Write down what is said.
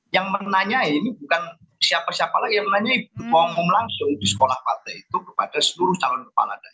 yang menanyai ini bukan siapa siapa lagi yang menanya ketua umum langsung di sekolah partai itu kepada seluruh calon kepala daerah